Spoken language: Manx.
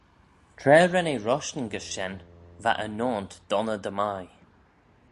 Tra ren eh roshtyn gys shen va e naunt donney dy mie.